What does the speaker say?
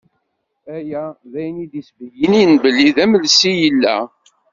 Aya d ayen i d-isbeyyinen belli d amelsi i yella.